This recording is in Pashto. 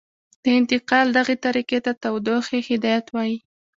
د انتقال دغې طریقې ته تودوخې هدایت وايي.